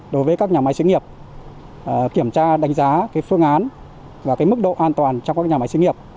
đối với các nhà máy xí nghiệp kiểm tra đánh giá phương án và mức độ an toàn trong các nhà máy sinh nghiệp